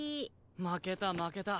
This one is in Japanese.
負けた負けた。